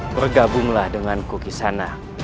bergabunglah dengan kukisana